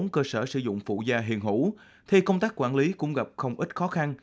hai năm trăm bốn mươi bốn cơ sở sử dụng phụ da hiền hữu thì công tác quản lý cũng gặp không ít khó khăn